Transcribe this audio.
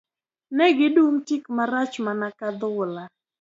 Ne gidum tik marach mana ka adhola